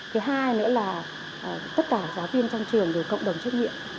thứ hai nữa là tất cả giáo viên trong trường đều cộng đồng trách nhiệm